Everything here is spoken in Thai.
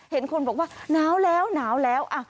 เห็นคนบอกว่าหนาวแล้วอ่ะ